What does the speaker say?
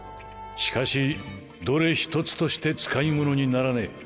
しかしどれひとつとして使い物にならねえ。